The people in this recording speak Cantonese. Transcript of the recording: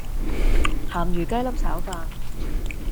鹹魚雞粒炒飯